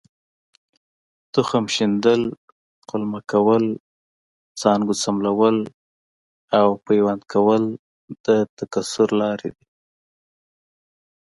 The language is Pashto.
تخم شیندل، قلمه کول، څانګو څملول او پیوند کول د تکثیر لارې دي.